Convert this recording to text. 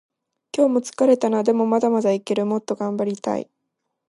今日も疲れたな。でもまだまだいける。もっと頑張りたい。